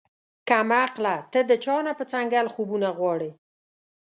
کم عقله تۀ د چا نه پۀ څنګل خوبونه غواړې